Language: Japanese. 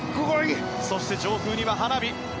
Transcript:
そして上空には花火！